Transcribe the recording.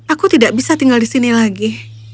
aku tidak bisa tinggal di sini lagi